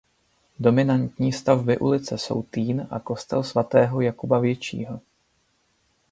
Dominantní stavby ulice jsou Týn a kostel svatého Jakuba Většího.